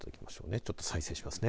ちょっと再生しますね。